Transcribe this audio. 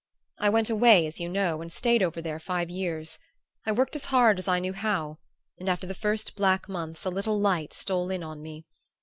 "I went away, as you know, and stayed over there five years. I worked as hard as I knew how, and after the first black months a little light stole in on me.